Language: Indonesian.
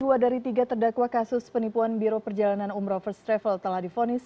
dua dari tiga terdakwa kasus penipuan biro perjalanan umroh first travel telah difonis